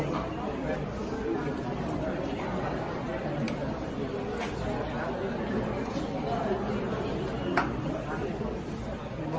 ขอบคุณครับ